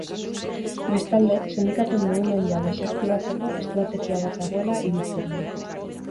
Bestalde, sindikatuen mugimendua desaktibatzeko estrategia bat dagoela iritzi dio.